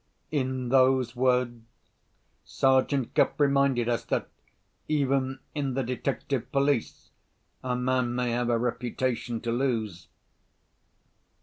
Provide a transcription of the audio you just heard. In those words Sergeant Cuff reminded us that, even in the Detective Police, a man may have a reputation to lose.